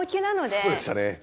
そうでしたね。